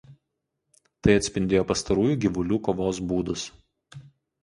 Tai atspindėjo pastarųjų gyvulių kovos būdus.